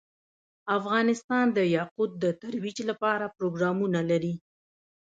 افغانستان د یاقوت د ترویج لپاره پروګرامونه لري.